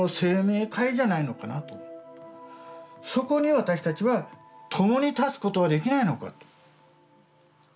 そこに私たちは共に立つことはできないのかと。